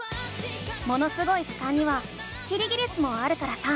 「ものすごい図鑑」にはキリギリスもあるからさ